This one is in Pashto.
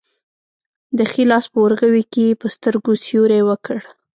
د ښي لاس په ورغوي کې یې په سترګو سیوری وکړ.